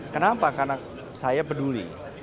kenapa karena saya peduli